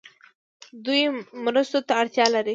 دوی مرستو ته اړتیا لري.